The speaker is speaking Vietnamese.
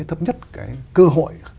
thấp nhất cái cơ hội